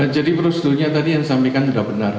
jadi profesor dulu tadi yang disampaikan sudah benar